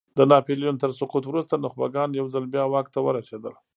د ناپیلیون تر سقوط وروسته نخبګان یو ځل بیا واک ته ورسېدل.